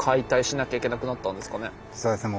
そうですね。